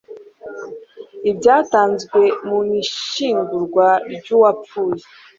ibyatanzwe mu ishyingurwa ry uwapfuye